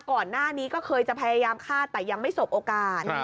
ก่อนหน้านี้ก็เคยจะพยายามฆ่าแต่ยังไม่สบโอกาส